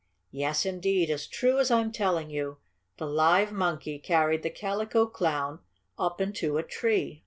Yes, indeed, as true as I'm telling you, the live monkey carried the Calico Clown up into a tree!